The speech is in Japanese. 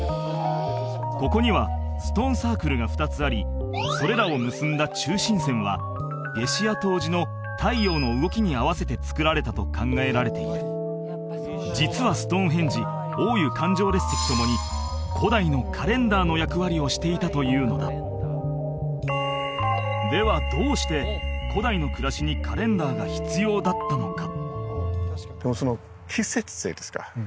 ここにはストーンサークルが２つありそれらを結んだ中心線は夏至や冬至の太陽の動きに合わせてつくられたと考えられている実はストーンヘンジ大湯環状列石共に古代のカレンダーの役割をしていたというのだではどうして古代の暮らしにカレンダーが必要だったのか？